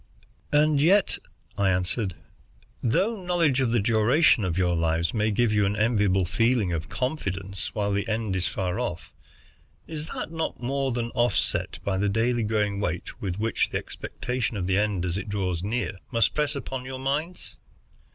"And yet," I answered, "though knowledge of the duration of your lives may give you an enviable feeling of confidence while the end is far off, is that not more than offset by the daily growing weight with which the expectation of the end, as it draws near, must press upon your minds?"